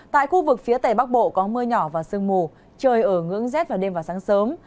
tại khu vực phía tây bắc bộ có mưa nhỏ và sương mù trời ở ngưỡng rét vào đêm và sáng sớm